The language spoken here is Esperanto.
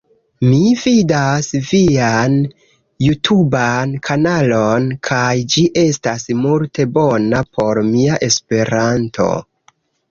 Mi vidas vian jutuban kanalon kaj ĝi estas multe bona por mia Esperanto